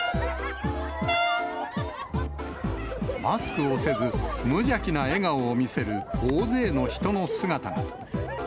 マスクをせず、無邪気な笑顔を見せる大勢の人の姿が。